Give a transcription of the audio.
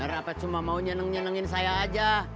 benar apa cuma mau nyenengin saya aja